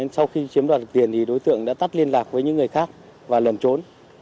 sau khi chiếm đoạt tiền thì đối tượng đã tắt liên lạc với những người khác và lần trốn